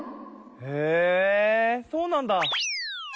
へえそうなんだ。